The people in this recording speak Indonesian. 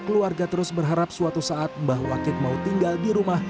keluarga terus berharap suatu saat mbah wakit mau tinggal di rumah